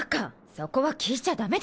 そこは聞いちゃダメでしょ。